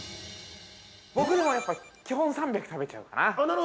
◆僕でもやっぱり、基本３００食べちゃうかな。